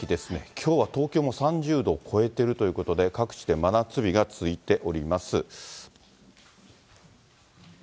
きょうは東京も３０度を超えてるということで、各地で真夏日が続いております。